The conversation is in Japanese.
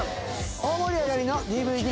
大盛り上がりのＤＶＤ